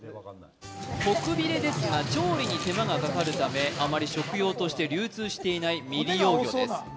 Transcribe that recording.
トクビレですが、調理に手間がかかるためあまり食用として流通していない未利用魚です。